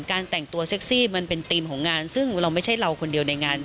แต่งตัวเซ็กซี่มันเป็นธีมของงานซึ่งเราไม่ใช่เราคนเดียวในงาน